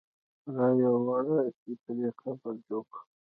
را یې وړه چې پرې قبر جوړ کړو.